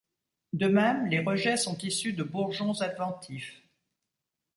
De même, les rejets sont issus de bourgeons adventifs.